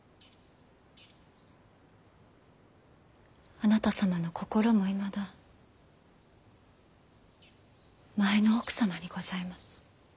あなた様の心もいまだ前の奥様にございます。